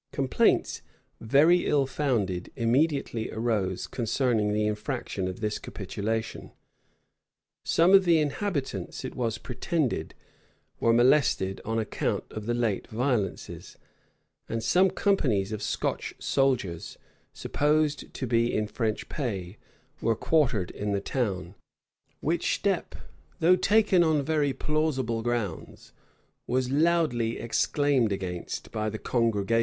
Complaints, very ill founded, immediately arose concerning the infraction of this capitulation. Some of the inhabitants, it was pretended, were molested on account of the late violences; and some companies of Scotch soldiers, supposed to be in French pay, were quartered in the town; which step, though taken on very plausible grounds, was loudly exclaimed against by the congregation.